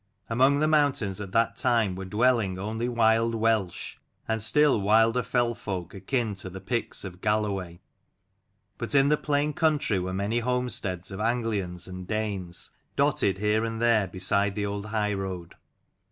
Among the moun tains at that time were dwelling only wild Welsh, and still wilder fell folk akin to the Picts of Galloway. But in the plain country were many homesteads of Anglians and Danes, dotted here and there beside the old high road.